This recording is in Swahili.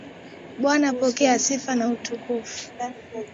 Bwana pokea sifa na utukufu.